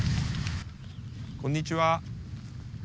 こんにちは。